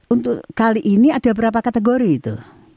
untuk kali ini ada berapa kategori itu